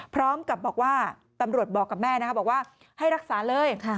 พร้อมกับบอกว่าตำรวจบอกกับแม่นะคะบอกว่าให้รักษาเลย